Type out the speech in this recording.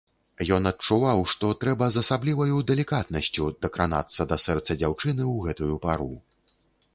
Ён адчуваў, што трэба з асабліваю далікатнасцю дакранацца да сэрца дзяўчыны ў гэтую пару.